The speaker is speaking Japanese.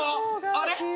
あれ？